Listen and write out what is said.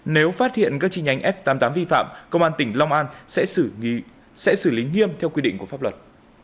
nếu phát hiện các chi nhánh f tám mươi tám vi phạm công an tỉnh long an sẽ xử lý nghiêm theo quy định của pháp luật